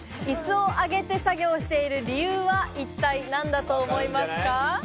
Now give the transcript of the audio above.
椅子を上げて作業している理由は一体何だと思いますか？